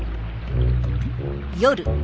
夜。